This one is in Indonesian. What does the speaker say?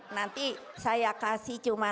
nanti saya kasih cuma empat ya